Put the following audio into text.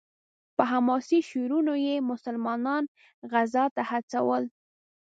په حماسي شعرونو یې مسلمانان غزا ته هڅول.